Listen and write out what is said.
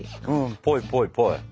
ぽいぽいぽい。